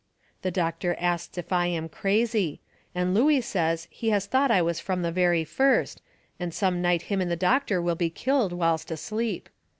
The doctor asts if I am crazy. And Looey says he has thought I was from the very first, and some night him and the doctor will be killed whilst asleep.